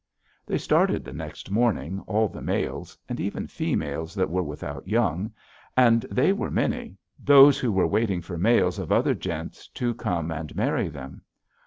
"They started the next morning, all the males, and even females that were without young; and they were many, those who were waiting for males of other gentes to come and marry them.